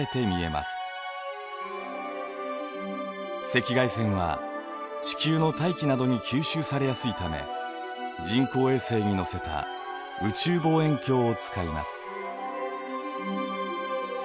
赤外線は地球の大気などに吸収されやすいため人工衛星に載せた宇宙望遠鏡を使います。